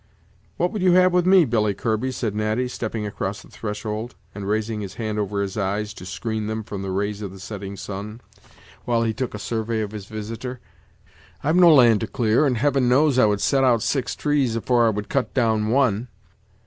"What would you have with me, Billy Kirby?" said Natty, stepping across his threshold, and raising his hand over his eyes, to screen them from the rays of the setting sun, while he took a survey of his visitor. "I've no land to clear, and Heaven knows I would set out six trees afore I would cut down one.